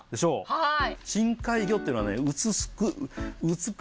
はい。